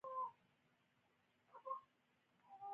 نجونې به تر هغه وخته پورې مسلکي زدکړې کوي.